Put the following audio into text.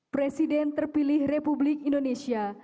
presiden terpilih republik indonesia